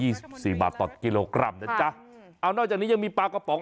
สิบสี่บาทต่อกิโลกรัมนะจ๊ะเอานอกจากนี้ยังมีปลากระป๋อง